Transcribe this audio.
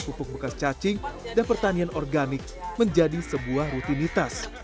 pupuk bekas cacing dan pertanian organik menjadi sebuah rutinitas